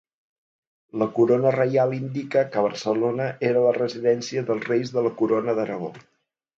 La corona reial indica que Barcelona era la residència dels reis de la Corona d'Aragó.